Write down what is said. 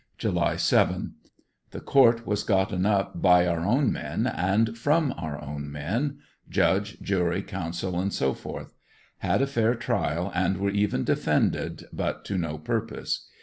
July 7. — The court wa^ gotten up by our own men and from our own men; Judge, jury, counsel, &c. Had a fair trial, and were even defended, but to no purpose.